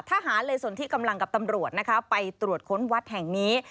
ทหารเลยส่วนที่กำลังกับตำรวจนะคะไปตรวจค้นวัดแห่งนี้